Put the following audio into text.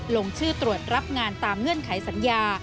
ลงชื่อตรวจรับงานตามเงื่อนไขสัญญา